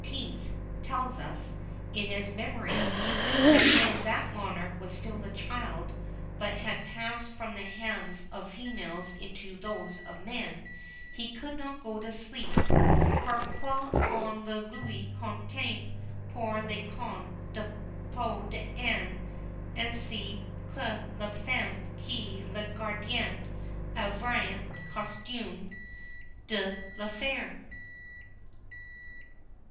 tells us, in his Mémoires, that when that monarch was still a child, but had passed from the hands of females into those of men, he could not go to sleep "parcequ'on ne lui contait plus les contes de Peau d'Ane ainsi que les femmes qui le gardaient avaient coutume de le faire."